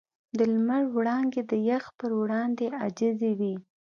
د لمر وړانګې د یخ پر وړاندې عاجزې وې.